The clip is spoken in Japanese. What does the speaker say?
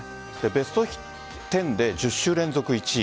「ベストテン」で１０週連続１位。